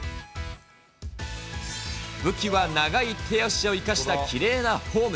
武器は長い手足を生かしたきれいなフォーム。